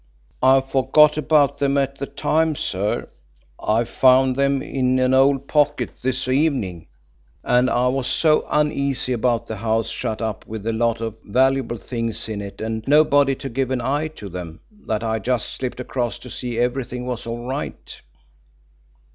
"I forgot about them at the time, sir. I found them in an old pocket this evening, and I was so uneasy about the house shut up with a lot of valuable things in it and nobody to give an eye to them that I just slipped across to see everything was all right."